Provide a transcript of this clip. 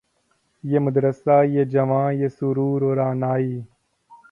یہ مدرسہ یہ جواں یہ سرور و رعنائی